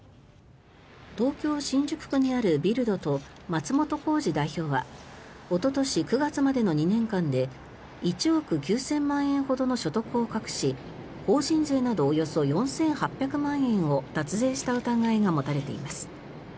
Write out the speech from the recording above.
東京・新宿区にあるビルドと松本幸二代表はおととし９月までの２年間で１億９０００万円ほどの所得を隠し法人税などおよそ４８００万円を脱税した疑いが持たれています。